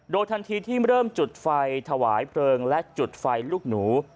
โดยทันทีที่เริ่มจุดไฟถวายเพลิงและจุดไฟลูกหนู